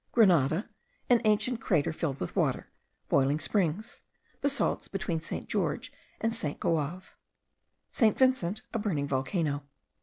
Grenada, an ancient crater, filled with water; boiling springs; basalts between St. George and Goave. St. Vincent, a burning volcano.